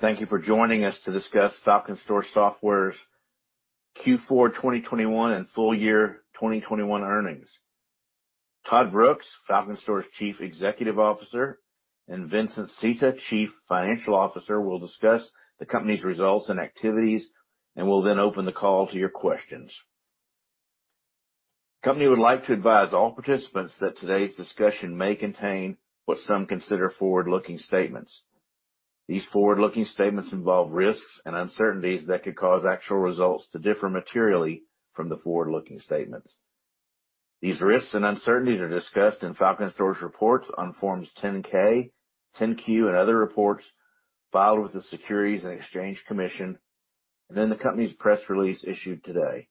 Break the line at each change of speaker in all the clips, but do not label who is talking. Thank you for joining us to discuss FalconStor Software's Q4 2021 and full year 2021 earnings. Todd Brooks, FalconStor Software's Chief Executive Officer, and Vincent Sita, Chief Financial Officer, will discuss the company's results and activities, and we'll then open the call to your questions. The company would like to advise all participants that today's discussion may contain what some consider forward-looking statements. These forward-looking statements involve risks and uncertainties that could cause actual results to differ materially from the forward-looking statements. These risks and uncertainties are discussed in FalconStor Software's reports on Forms 10-K, 10-Q, and other reports filed with the Securities and Exchange Commission, and in the company's press release issued today.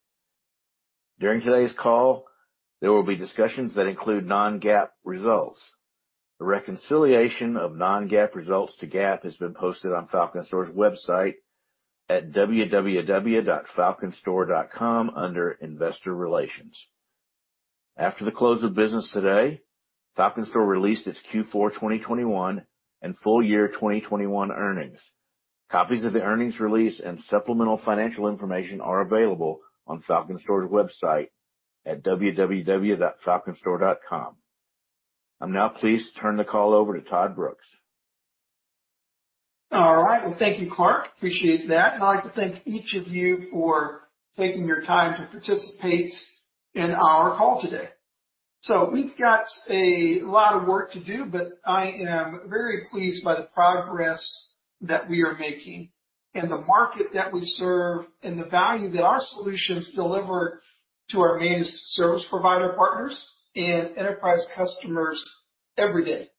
During today's call, there will be discussions that include non-GAAP results. A reconciliation of non-GAAP results to GAAP has been posted on FalconStor Software's website at www.falconstor.com under Investor Relations. After the close of business today, FalconStor released its Q4 2021 and full year 2021 earnings. Copies of the earnings release and supplemental financial information are available on FalconStor's website at www.falconstor.com. I'll now please turn the call over to Todd Brooks.
All right. Well, thank you, Clark. Appreciate that. I'd like to thank each of you for taking your time to participate in our call today. We've got a lot of work to do, but I am very pleased by the progress that we are making and the market that we serve, and the value that our solutions deliver to our managed service provider partners and enterprise customers every day.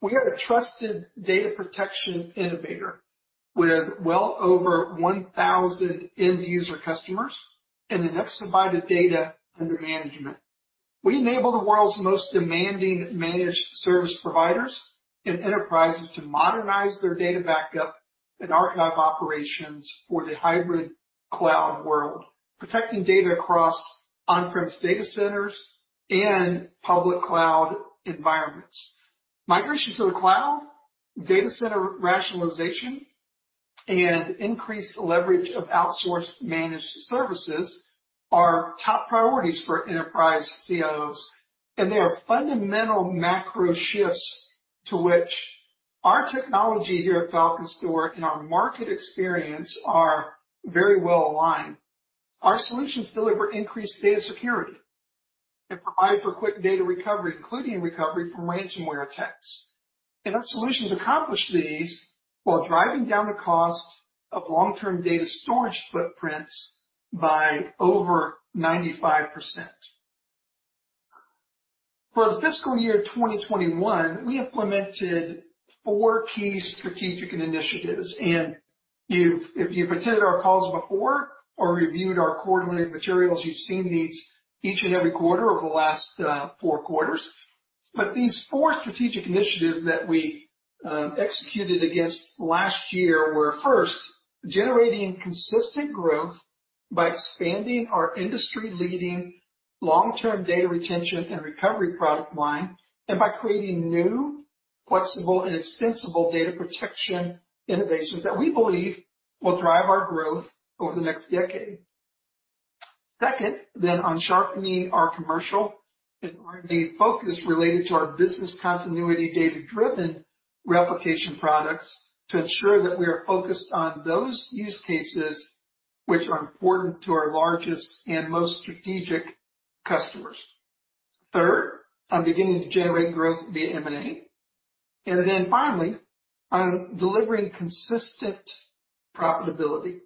We are a trusted data protection innovator with well over 1,000 end user customers and an exabyte of data under management. We enable the world's most demanding managed service providers and enterprises to modernize their data backup and archive operations for the hybrid cloud world, protecting data across on-premise data centers and public cloud environments. Migration to the cloud, data center rationalization, and increased leverage of outsourced managed services are top priorities for enterprise CIOs, and they are fundamental macro shifts to which our technology here at FalconStor and our market experience are very well-aligned. Our solutions deliver increased data security and provide for quick data recovery, including recovery from ransomware attacks. Our solutions accomplish these while driving down the cost of long-term data storage footprints by over 95%. For the fiscal year 2021, we implemented four key strategic initiatives. If you've attended our calls before or reviewed our quarterly materials, you've seen these each and every quarter over the last four quarters. These four strategic initiatives that we executed against last year were, first, generating consistent growth by expanding our industry-leading long-term data retention and recovery product line, and by creating new, flexible and extensible data protection innovations that we believe will drive our growth over the next decade. Second, then on sharpening our commercial and R&D focus related to our business continuity data-driven replication products to ensure that we are focused on those use cases which are important to our largest and most strategic customers. Third, on beginning to generate growth via M&A. Then finally, on delivering consistent profitability.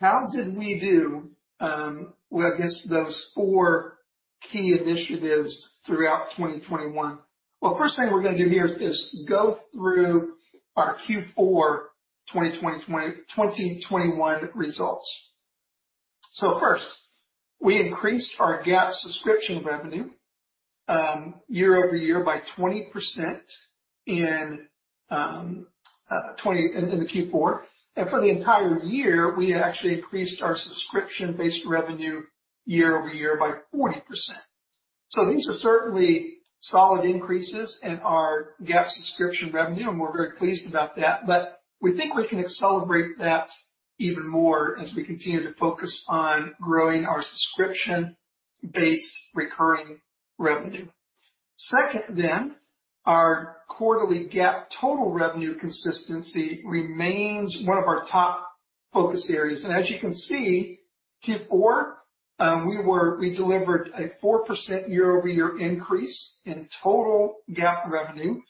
How did we do, with, I guess, those four key initiatives throughout 2021? Well, first thing we're gonna do here is just go through our Q4 2020, 2021 results. First, we increased our GAAP subscription revenue year-over-year by 20% in the Q4. For the entire year, we actually increased our subscription-based revenue year-over-year by 40%. These are certainly solid increases in our GAAP subscription revenue, and we're very pleased about that, but we think we can accelerate that even more as we continue to focus on growing our subscription-based recurring revenue. Second, our quarterly GAAP total revenue consistency remains one of our top focus areas. As you can see, Q4, we delivered a 4% year-over-year increase in total GAAP revenue,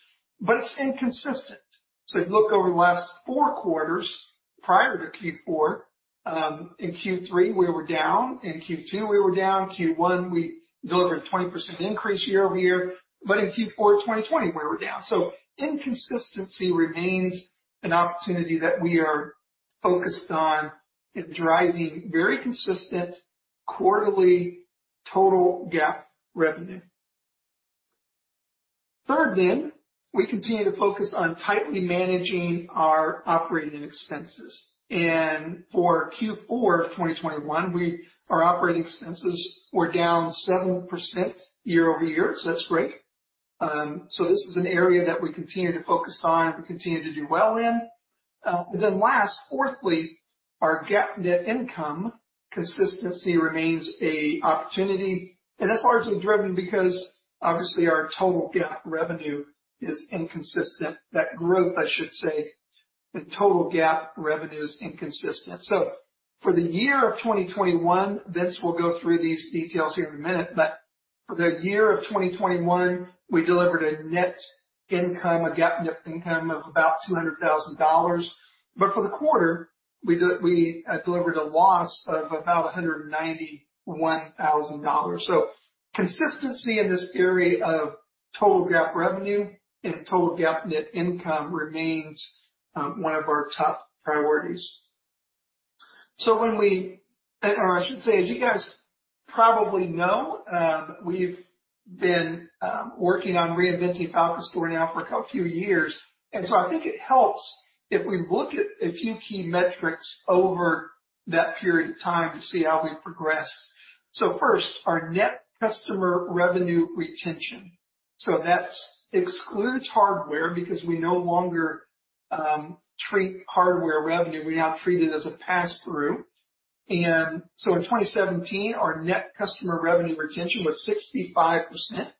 but it's inconsistent. You look over the last four quarters prior to Q4, in Q3 we were down, in Q2 we were down, Q1 we delivered 20% increase year-over-year, but in Q4 of 2020, we were down. Inconsistency remains an opportunity that we are focused on in driving very consistent quarterly total GAAP revenue. Third, we continue to focus on tightly managing our operating expenses. For Q4 2021, our operating expenses were down 7% year-over-year. That's great. This is an area that we continue to focus on and continue to do well in. Last, fourthly, our GAAP net income consistency remains an opportunity. That's largely driven because obviously our total GAAP revenue is inconsistent. That growth, I should say, the total GAAP revenue is inconsistent. For the year of 2021, Vince will go through these details here in a minute, for the year of 2021, we delivered a net income, a GAAP net income of about $200,000. For the quarter, we delivered a loss of about $191,000. Consistency in this area of total GAAP revenue and total GAAP net income remains one of our top priorities. When we or I should say, as you guys probably know, we've been working on reinventing FalconStor now for quite a few years. I think it helps if we look at a few key metrics over that period of time to see how we've progressed. First, our net customer revenue retention. That excludes hardware because we no longer treat hardware revenue. We now treat it as a passthrough. In 2017, our net customer revenue retention was 65%.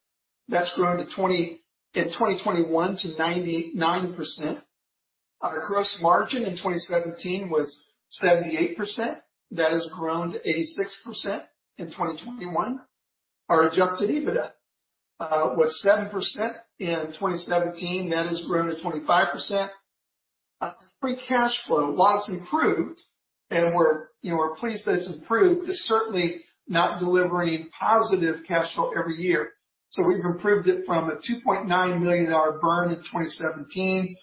That's grown to 99% in 2021. Our gross margin in 2017 was 78%. That has grown to 86% in 2021. Our adjusted EBITDA was 7% in 2017. That has grown to 25%. Our free cash flow, while it's improved, and we're pleased that it's improved, it's certainly not delivering positive cash flow every year. We've improved it from a $2.9 million burn in 2017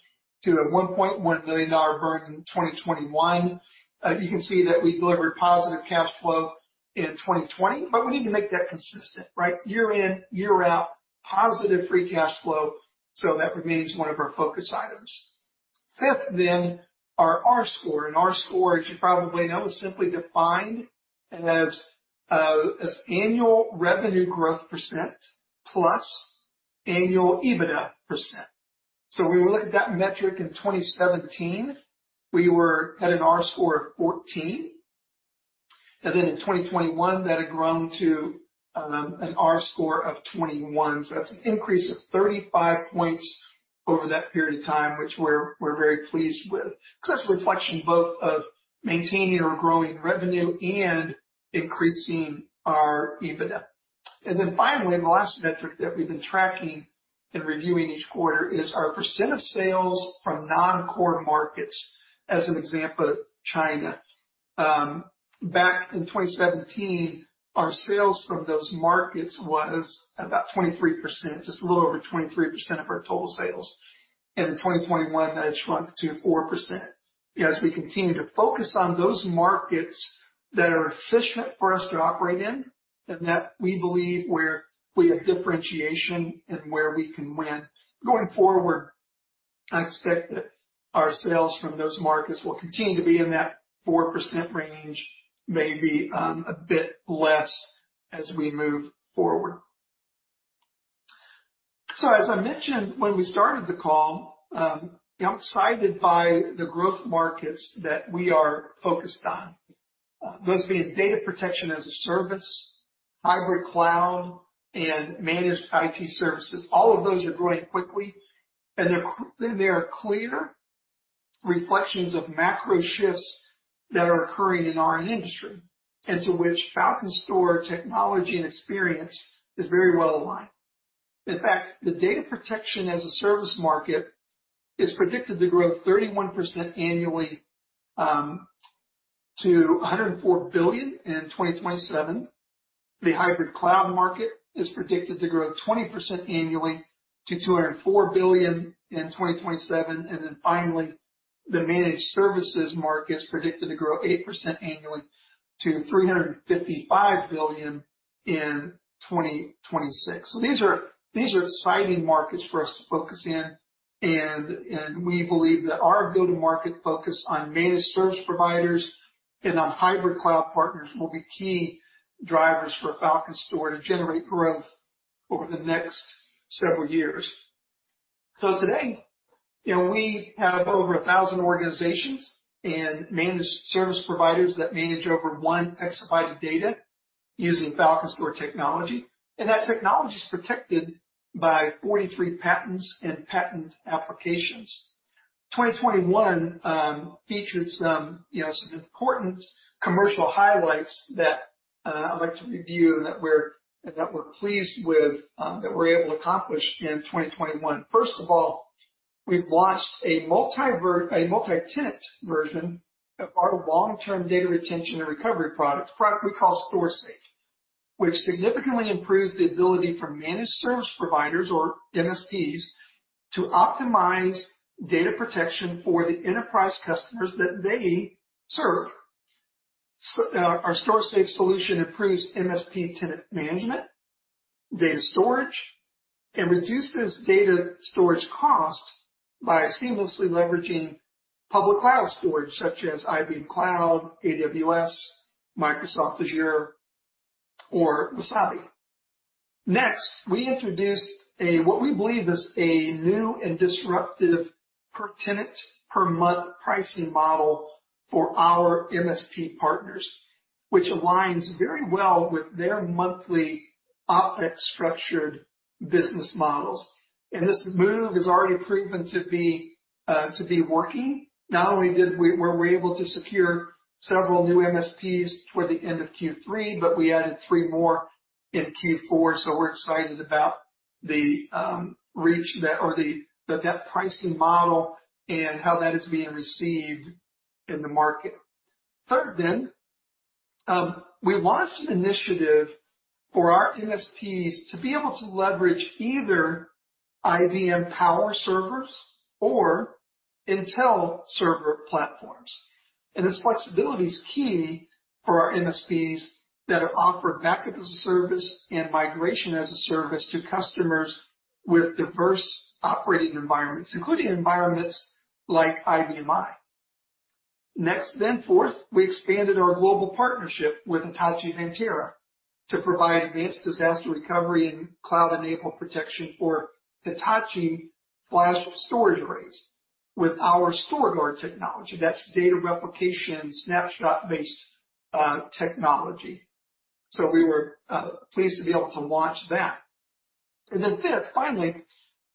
to a $1.1 million burn in 2021. You can see that we delivered positive cash flow in 2020, but we need to make that consistent, right? Year in, year out, positive free cash flow, that remains one of our focus items. Fifth, our R-score, as you probably know, is simply defined as annual revenue growth percent plus annual EBITDA percent. When we look at that metric in 2017, we were at an R-score of 14. In 2021, that had grown to an R-score of 21. That's an increase of 35 points over that period of time, which we're very pleased with. 'Cause that's a reflection both of maintaining or growing revenue and increasing our EBITDA. Finally, the last metric that we've been tracking and reviewing each quarter is our percent of sales from non-core markets. As an example, China. Back in 2017, our sales from those markets was about 23%, just a little over 23% of our total sales. In 2021, that had shrunk to 4%. As we continue to focus on those markets that are efficient for us to operate in and that we believe where we have differentiation and where we can win. Going forward, I expect that our sales from those markets will continue to be in that 4% range, maybe a bit less as we move forward. As I mentioned when we started the call, I'm excited by the growth markets that we are focused on. Those being data protection as a service, hybrid cloud, and managed IT services. All of those are growing quickly, and they are clear reflections of macro shifts that are occurring in our industry, and to which FalconStor technology and experience is very well aligned. In fact, the data protection as a service market is predicted to grow 31% annually to $104 billion in 2027. The hybrid cloud market is predicted to grow 20% annually to $204 billion in 2027. Finally, the managed services market is predicted to grow 8% annually to $355 billion in 2026. These are exciting markets for us to focus in, and we believe that our go-to-market focus on managed service providers and on hybrid cloud partners will be key drivers for FalconStor to generate growth over the next several years. Today, you know, we have over 1,000 organizations and managed service providers that manage over 1 exabyte of data using FalconStor technology. That technology is protected by 43 patents and patent applications. 2021 featured some, you know, some important commercial highlights that I'd like to review and that we're pleased with that we were able to accomplish in 2021. First of all, we've launched a multi-tenant version of our long-term data retention and recovery product we call StorSafe, which significantly improves the ability for managed service providers or MSPs to optimize data protection for the enterprise customers that they serve. Our StorSafe solution improves MSP tenant management, data storage, and reduces data storage costs by seamlessly leveraging public cloud storage such as IBM Cloud, AWS, Microsoft Azure, or Wasabi. Next, we introduced what we believe is a new and disruptive per tenant per month pricing model for our MSP partners, which aligns very well with their monthly OPEX structured business models. This move has already proven to be working. Not only were we able to secure several new MSPs toward the end of Q3, but we added three more in Q4. We're excited about the reach or the net pricing model and how that is being received in the market. Third, we launched an initiative for our MSPs to be able to leverage either IBM Power servers or Intel server platforms. This flexibility is key for our MSPs that offer backup as a service and migration as a service to customers with diverse operating environments, including environments like IBM i. Next, fourth, we expanded our global partnership with Hitachi Vantara to provide advanced disaster recovery and cloud-enabled protection for Hitachi flash storage arrays with our StorGuard technology. That's data replication snapshot-based technology. We were pleased to be able to launch that. Fifth, finally,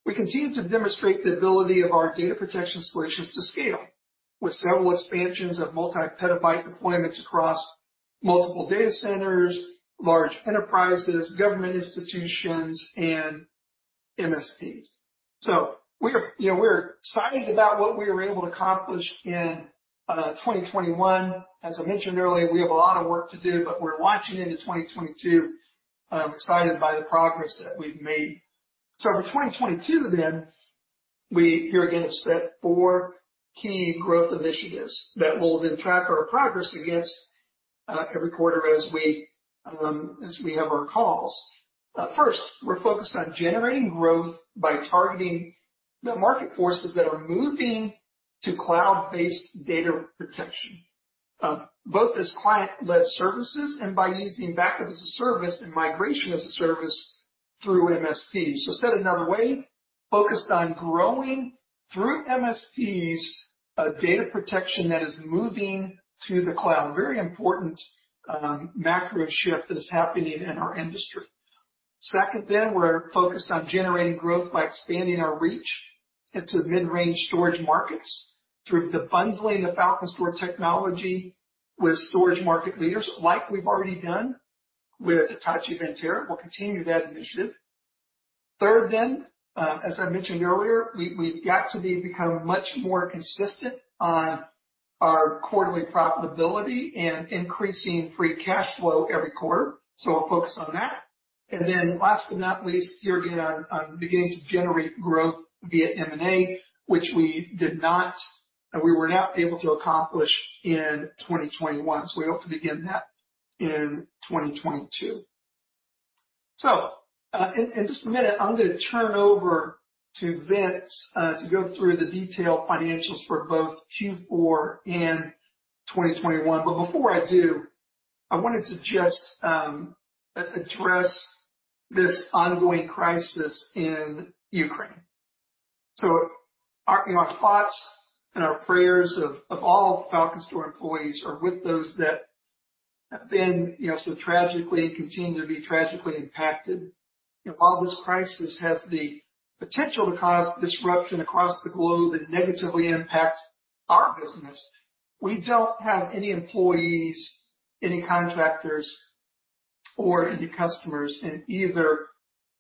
we continue to demonstrate the ability of our data protection solutions to scale with several expansions of multi-petabyte deployments across multiple data centers, large enterprises, government institutions and MSPs. We're, you know, excited about what we were able to accomplish in 2021. As I mentioned earlier, we have a lot of work to do, but we're launching into 2022, excited by the progress that we've made. For 2022 then, we're here again have set four key growth initiatives that we'll then track our progress against every quarter as we have our calls. First, we're focused on generating growth by targeting the market forces that are moving to cloud-based data protection both as client-led services and by using backup-as-a-service and migration-as-a-service through MSPs. Said another way, focused on growing through MSPs, data protection that is moving to the cloud. Very important macro shift that is happening in our industry. Second, we're focused on generating growth by expanding our reach into the mid-range storage markets through the bundling of FalconStor technology with storage market leaders like we've already done with Hitachi Vantara. We'll continue that initiative. Third, as I mentioned earlier, we've got to become much more consistent on our quarterly profitability and increasing free cash flow every quarter. We'll focus on that. Last but not least, here again on beginning to generate growth via M&A, which we were not able to accomplish in 2021. We hope to begin that in 2022. In just a minute, I'm gonna turn over to Vince to go through the detailed financials for both Q4 and 2021. Before I do, I wanted to just address this ongoing crisis in Ukraine. Our thoughts and our prayers of all FalconStor employees are with those that have been so tragically continue to be impacted. While this crisis has the potential to cause disruption across the globe that negatively impacts our business, we don't have any employees, any contractors or any customers in either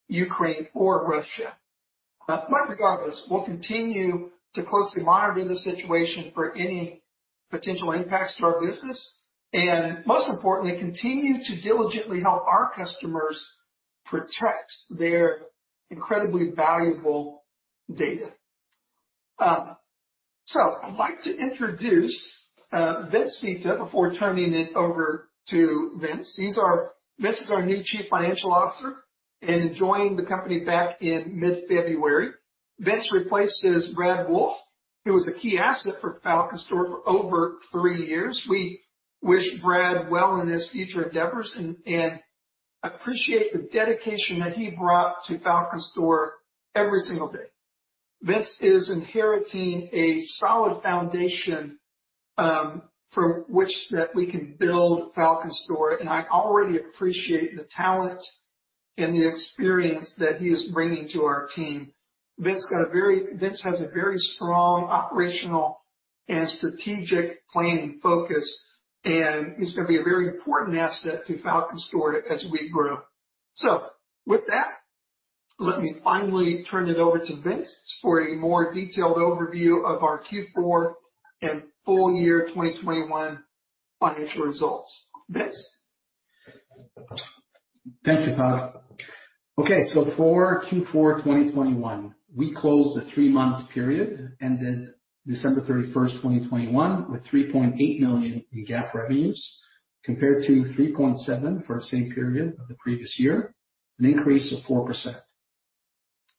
Ukraine or Russia. Regardless, we'll continue to closely monitor the situation for any potential impacts to our business, and most importantly, continue to diligently help our customers protect their incredibly valuable data. I'd like to introduce Vince Sita before turning it over to Vince. Vince is our new Chief Financial Officer and joined the company back in mid-February. Vince replaces Brad Wolfe, who was a key asset for FalconStor for over three years. We wish Brad well in his future endeavors and appreciate the dedication that he brought to FalconStor every single day. Vince is inheriting a solid foundation, from which that we can build FalconStor, and I already appreciate the talent and the experience that he is bringing to our team. Vince has a very strong operational and strategic planning focus, and he's gonna be a very important asset to FalconStor as we grow. With that, let me finally turn it over to Vince for a more detailed overview of our Q4 and full year 2021 financial results. Vince?
Thank you, Todd. Okay, so for Q4 2021, we closed the three-month period, ended December 31, 2021, with $3.8 million in GAAP revenues, compared to $3.7 million for the same period of the previous year, an increase of 4%.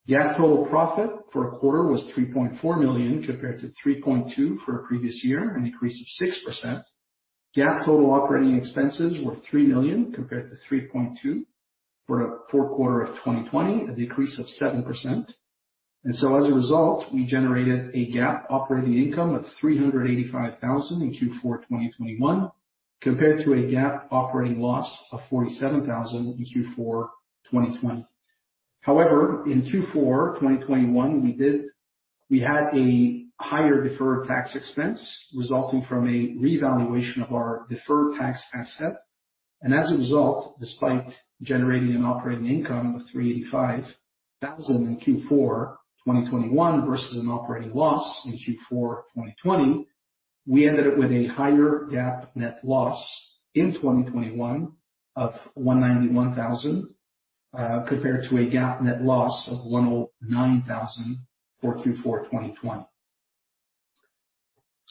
GAAP total profit for a quarter was $3.4 million, compared to $3.2 million for the previous year, an increase of 6%. GAAP total operating expenses were $3 million, compared to $3.2 million for the fourth quarter of 2020, a decrease of 7%. As a result, we generated a GAAP operating income of $385,000 in Q4 2021, compared to a GAAP operating loss of $47,000 in Q4 2020. However, in Q4 2021, we had a higher deferred tax expense resulting from a revaluation of our deferred tax asset. As a result, despite generating an operating income of $385,000 in Q4 2021 versus an operating loss in Q4 2020, we ended up with a higher GAAP net loss in 2021 of $191,000 compared to a GAAP net loss of $109,000 for Q4 2020.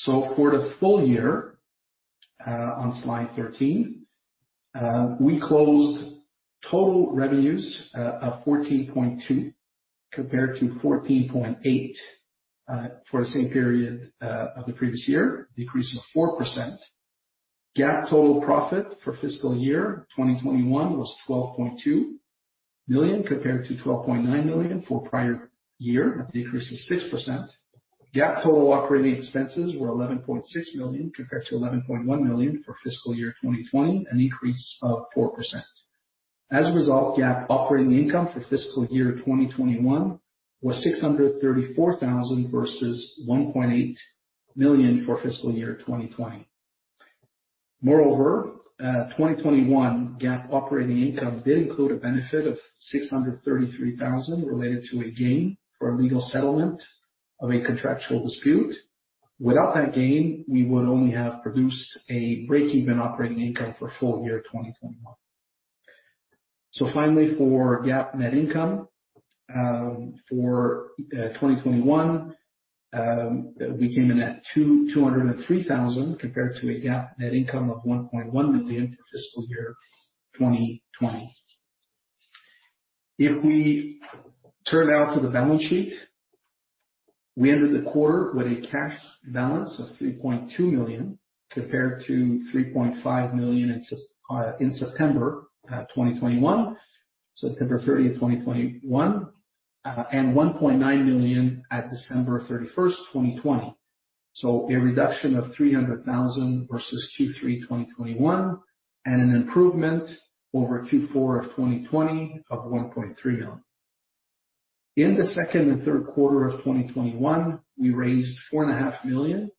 For the full year, on slide 13, we closed total revenues of $14.2 million compared to $14.8 million for the same period of the previous year, a decrease of 4%. GAAP total profit for fiscal year 2021 was $12.2 million compared to $12.9 million for prior year, a decrease of 6%. GAAP total operating expenses were $11.6 million compared to $11.1 million for fiscal year 2020, an increase of 4%. As a result, GAAP operating income for fiscal year 2021 was $634,000 versus $1.8 million for fiscal year 2020. Moreover, 2021 GAAP operating income did include a benefit of $633,000 related to a gain for a legal settlement of a contractual dispute. Without that gain, we would only have produced a breakeven operating income for full year 2021. Finally, for GAAP net income, for 2021, we came in at $203 thousand compared to a GAAP net income of $1.1 million for fiscal year 2020. If we turn now to the balance sheet, we ended the quarter with a cash balance of $3.2 million, compared to $3.5 million in September 2021, September 30, 2021, and $1.9 million at December 31, 2020. A reduction of $300,000 versus Q3 2021 and an improvement over Q4 2020 of $1.3 million. In the second and third quarter of 2021, we raised $4.5 million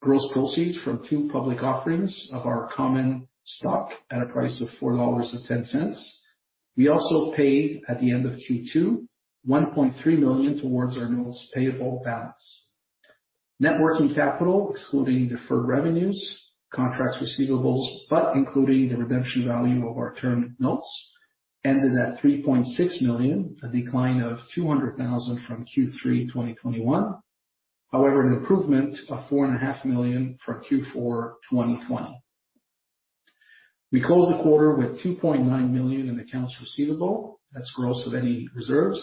gross proceeds from two public offerings of our common stock at a price of $4.10. We also paid, at the end of Q2, $1.3 million towards our notes payable balance. Net working capital, excluding deferred revenues, contract receivables, but including the redemption value of our term notes, ended at $3.6 million, a decline of $200,000 from Q3 2021. However, an improvement of $4.5 million from Q4 2020. We closed the quarter with $2.9 million in accounts receivable. That's gross of any reserves.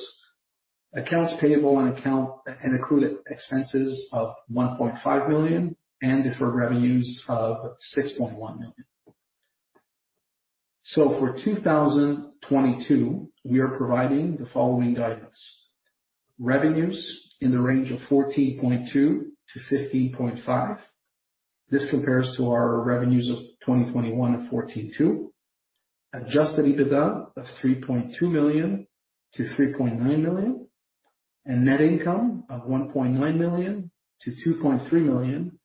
Accounts payable and accrued expenses of $1.5 million and deferred revenues of $6.1 million. For 2022, we are providing the following guidance. Revenues in the range of $14.2 million-$15.5 million. This compares to our revenues of 2021 at $14.2 million. Adjusted EBITDA of $3.2 million-$3.9 million, and net income of $1.9 million-$2.3 million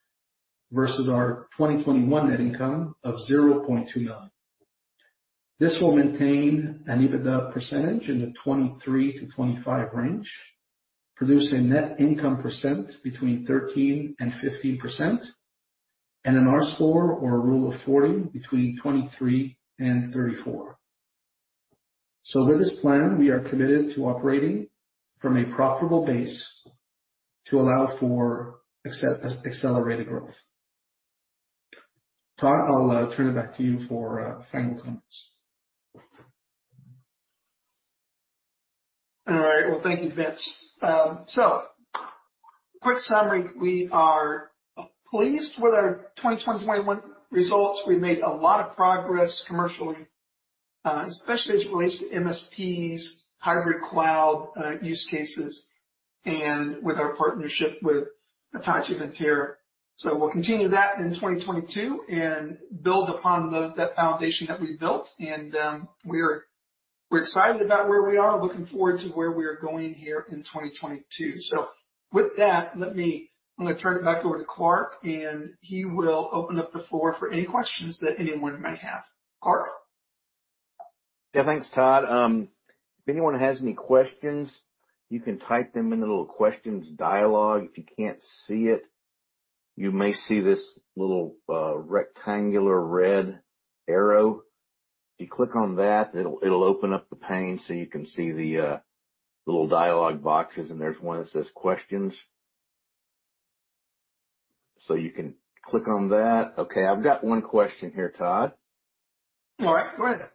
versus our 2021 net income of $0.2 million. This will maintain an EBITDA % in the 23%-25% range, produce a net income percent between 13% and 15%, and an R-score or a Rule of 40 between 23%-34%. With this plan, we are committed to operating from a profitable base to allow for accelerated growth. Todd, I'll turn it back to you for final comments.
All right. Well, thank you, Vince. Quick summary, we are pleased with our 2021 results. We made a lot of progress commercially, especially as it relates to MSPs, hybrid cloud use cases, and with our partnership with Hitachi Vantara. We'll continue that in 2022 and build upon that foundation that we built. We're excited about where we are, looking forward to where we are going here in 2022. With that, I'm gonna turn it back over to Clark, and he will open up the floor for any questions that anyone may have. Clark.
Yeah, thanks, Todd. If anyone has any questions, you can type them in the little questions dialog. If you can't see it, you may see this little rectangular red arrow. If you click on that, it'll open up the pane so you can see the little dialog boxes, and there's one that says Questions. You can click on that. Okay. I've got one question here, Todd.
All right, go ahead.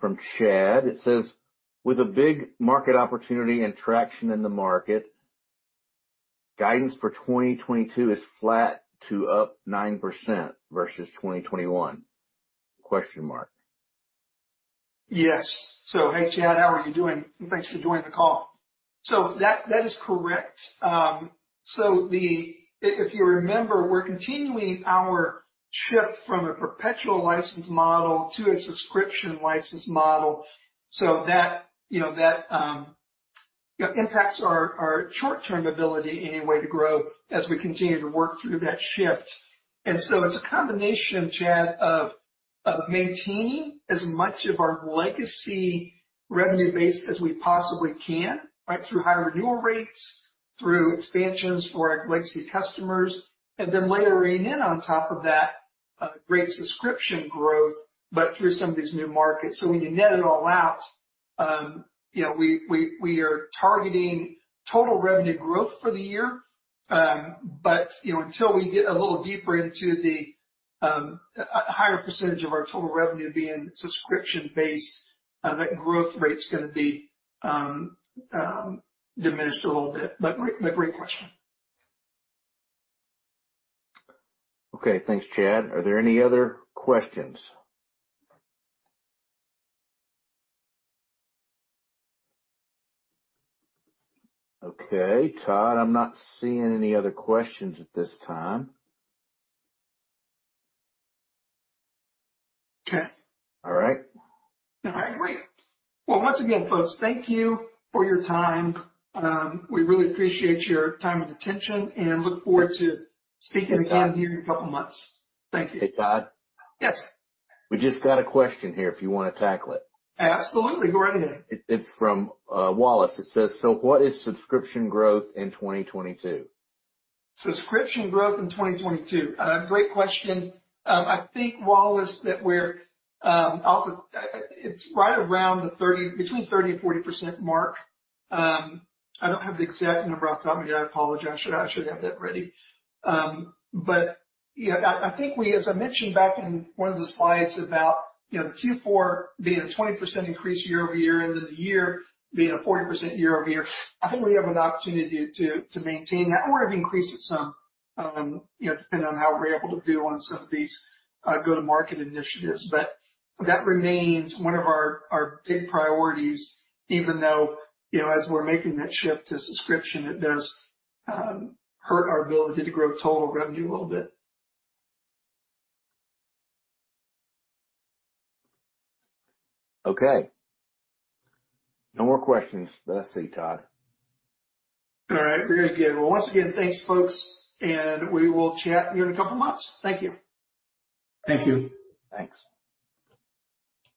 From Chad. It says, "With a big market opportunity and traction in the market, guidance for 2022 is flat to up 9% versus 2021. Question mark.
Yes. Hey, Chad, how are you doing? Thanks for joining the call. That is correct. If you remember, we're continuing our shift from a perpetual license model to a subscription license model. You know, that impacts our short-term ability, anyway, to grow as we continue to work through that shift. It's a combination, Chad, of maintaining as much of our legacy revenue base as we possibly can, right? Through high renewal rates, through expansions for our legacy customers, and then layering in on top of that, great subscription growth, but through some of these new markets. When you net it all out, you know, we are targeting total revenue growth for the year. You know, until we get a little deeper into the higher percentage of our total revenue being subscription-based, that growth rate's gonna be diminished a little bit. Great question.
Okay. Thanks, Chad. Are there any other questions? Okay. Todd, I'm not seeing any other questions at this time.
Okay.
All right.
All right. Great. Well, once again, folks, thank you for your time. We really appreciate your time and attention and look forward to speaking again with you in a couple of months. Thank you.
Hey, Todd.
Yes.
We just got a question here if you wanna tackle it.
Absolutely. Go right ahead.
It's from Wallace. It says, "What is subscription growth in 2022?
Subscription growth in 2022. Great question. I think, Wallace, that it's right around the 30%-40% mark. I don't have the exact number off the top of my head. I apologize. I should have that ready. You know, I think we, as I mentioned back in one of the slides about, you know, Q4 being a 20% increase year-over-year, and then the year being a 40% year-over-year, I think we have an opportunity to maintain that or to increase it some, you know, depending on how we're able to do on some of these go-to-market initiatives. That remains one of our big priorities, even though, you know, as we're making that shift to subscription, it does hurt our ability to grow total revenue a little bit.
Okay. No more questions that I see, Todd.
All right. Very good. Well, once again, thanks, folks, and we will chat with you in a couple of months. Thank you.
Thank you.
Thanks.